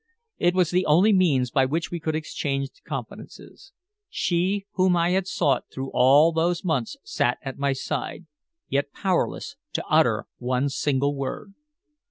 It was the only means by which we could exchange confidences. She whom I had sought through all those months sat at my side, yet powerless to utter one single word.